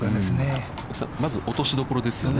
青木さん、まずは落としどころですよね。